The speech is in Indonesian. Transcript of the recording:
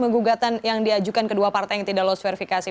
menggugatan yang diajukan kedua partai yang tidak lolos verifikasi